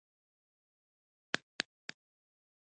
_زه نه وم خبر.